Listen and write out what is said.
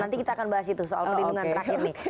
nanti kita akan bahas itu soal perlindungan terakhir nih